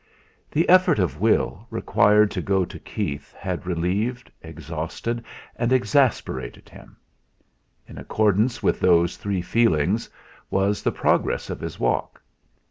The effort of will required to go to Keith had relieved, exhausted and exasperated him. In accordance with those three feelings was the progress of his walk.